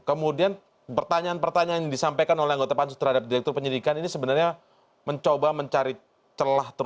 kemudian pertanyaan pertanyaan yang disampaikan oleh anggota pansus terhadap direktur penyidikan ini sebenarnya mencoba mencari celah terbaik